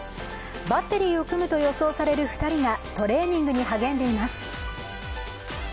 バッテリーを組むと予想される２人がトレーニングに励んでいます。